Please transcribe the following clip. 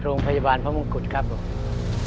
โรงพยาบาลพระมงกุฎครับผม